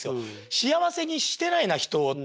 幸せにしてないな人をって。